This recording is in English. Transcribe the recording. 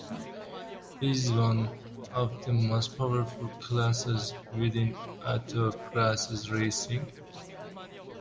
Is one of the most powerful classes within Autograss racing.